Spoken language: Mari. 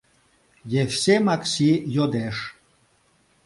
Евсе Макси йодеш: